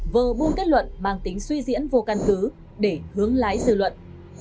vờ buôn kết luận mang tính suy diễn vô căn cứ để hướng lái dư luận